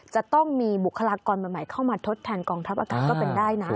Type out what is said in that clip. จะต้องมีบุคลากรใหม่เข้ามาทดแทนกองทัพอากาศก็เป็นได้นะ